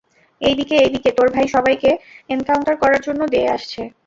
এই দিকে, এই দিকে, তোর ভাই সবাইকে এনকাউন্টার করার জন্য দেয়ে আসছে।